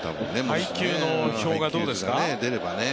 配球の表がどうですか？